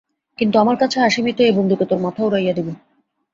কিন্তু আমার কাছে আসিবি তো এই বন্দুকে তাের মাথা উড়াইয়া দিব।